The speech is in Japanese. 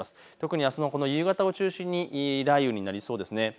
特にあすの夕方を中心に雷雨になりそうです。